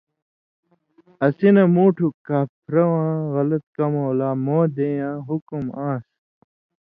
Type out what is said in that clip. اسی نہ مُوٹُھو کاپھرہ واں غلط کمؤں لا مؤں دېں یاں حکُم آن٘س،